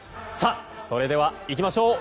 それではいきましょう